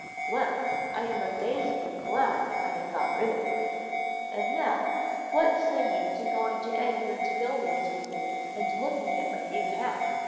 "'Well, I am amazingly glad I have got rid of them! And now, what say you to going to Edgar's Buildings with me and looking at my new hat?